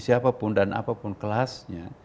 siapapun dan apapun kelasnya